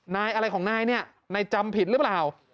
นายอะไรของนายเนี่ยนายจำผิดหรือเปล่า